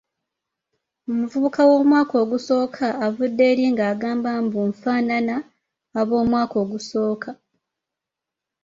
Omuvubuka w’omwaka ogusooka avudde eri nga agamba mbu nfaanana ab’omwaka ogusooka!